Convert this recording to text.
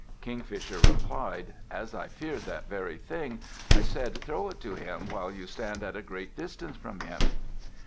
Kingfisher replied, "As I feared that very thing, I said 'Throw it to him while you stand at a great distance from him.'"